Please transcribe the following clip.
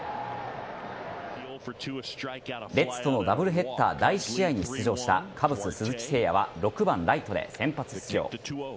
レッズとのダブルヘッダー第１試合に出場したカブス・鈴木誠也は６番・ライトで先発出場。